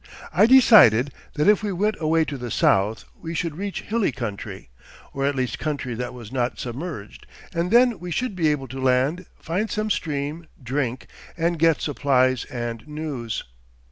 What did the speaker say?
I decided that if we went away to the south we should reach hilly country, or at least country that was not submerged, and then we should be able to land, find some stream, drink, and get supplies and news.